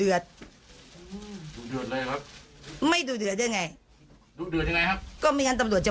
แม่ของแม่ชีอู๋ได้รู้ว่าแม่ของแม่ชีอู๋ได้รู้ว่า